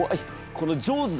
この「ジョーズ」だろ？